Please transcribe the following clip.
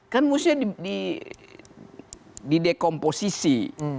kan musuhnya di dekomposisi